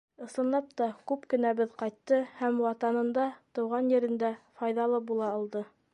Ысынлап та, күп кенәбеҙ ҡайтты һәм ватанында, тыуған ерендә файҙалы була алды.